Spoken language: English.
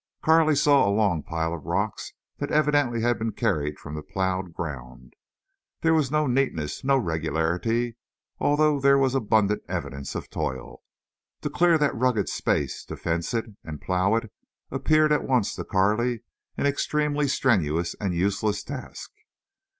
Carley saw a long pile of rocks that evidently had been carried from the plowed ground. There was no neatness, no regularity, although there was abundant evidence of toil. To clear that rugged space, to fence it, and plow it, appeared at once to Carley an extremely strenuous and useless task.